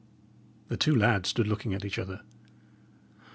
The two lads stood looking at each other.